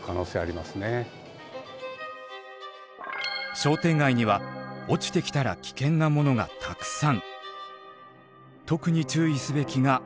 商店街には落ちてきたら危険なものがたくさん。